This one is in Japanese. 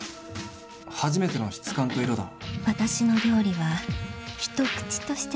初めての質感と色だはっ！